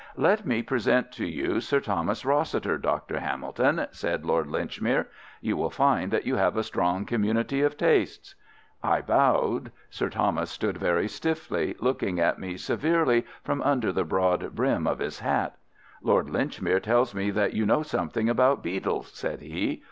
"Let me present you to Sir Thomas Rossiter, Dr. Hamilton," said Lord Linchmere. "You will find that you have a strong community of tastes." I bowed. Sir Thomas stood very stiffly, looking at me severely from under the broad brim of his hat. "Lord Linchmere tells me that you know something about beetles," said he.